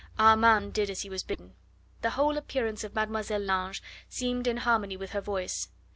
Armand did as he was bidden. The whole appearance of Mlle. Lange seemed in harmony with her voice.